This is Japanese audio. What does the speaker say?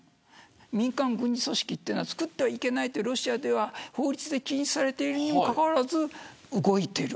民間軍事組織は作ってはいけないとロシアでは法律で禁止されているにもかかわらず動いている。